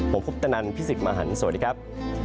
ผมพุทธนันทร์พิศิษฐ์มหันทร์สวัสดีครับ